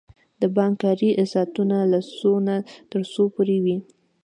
د بانک کاری ساعتونه له څو نه تر څو پوری وی؟